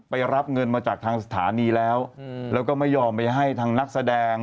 รับเงินมาจากทางสถานีแล้วแล้วก็ไม่ยอมไปให้ทางนักแสดง